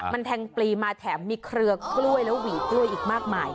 มันแทงปลีมาแถมมีเครือกล้วยแล้วหวีกล้วยอีกมากมาย